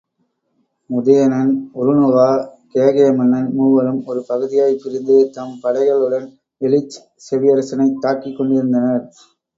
உதயணன், உருண்ணுவா, கேகய மன்னன் மூவரும் ஒரு பகுதியாகப் பிரிந்து தம் படைகளுடன் எலிச் செவியரசனைத் தாக்கிக் கொண்டிருந்தனர்.